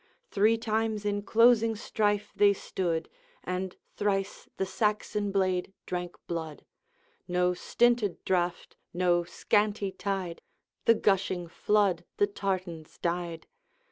Three times in closing strife they stood And thrice the Saxon blade drank blood; No stinted draught, no scanty tide, The gushing flood the tartars dyed.